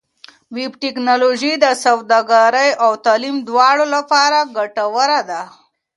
ویب ټکنالوژي د سوداګرۍ او تعلیم دواړو لپاره ګټوره ده.